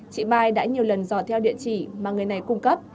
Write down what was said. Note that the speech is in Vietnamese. chị mai đã nhiều lần dò theo địa chỉ mà người này cung cấp